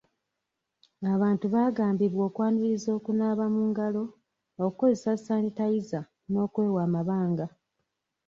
Abantu baagambibwa okwaniriza okunaaba mu ngalo, okukozesa sanitayiza n'okwewa amabanga.